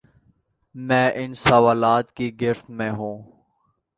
میں ان سوالات کی گرفت میں ہوں۔